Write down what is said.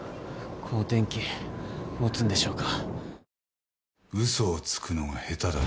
この天気持つんでしょうか。